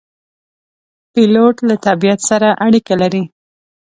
پیلوټ له طبیعت سره اړیکه لري.